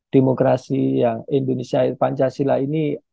demokrasi yang indonesia pancasila ini